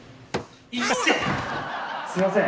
すいません。